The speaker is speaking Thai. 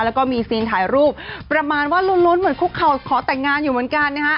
แล้วก็มีซีนถ่ายรูปประมาณว่าล้วนเหมือนคุกเข่าขอแต่งงานอยู่เหมือนกันนะฮะ